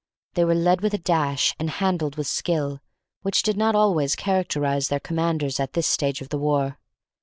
They were led with a dash, and handled with a skill, which did not always characterize their commanders at this stage of the war.